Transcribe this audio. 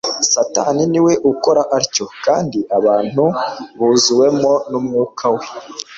Satani ni we ukora atyo; kandi abantu buzuwemo n'umwuka we